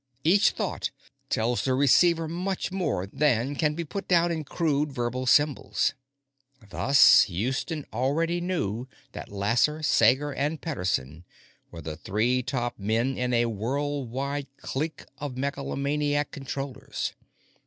Each thought tells the receiver much more than can be put down in crude verbal symbols. Thus, Houston already knew that Lasser, Sager, and Pederson were the three top men in a world wide clique of megalomaniac Controllers.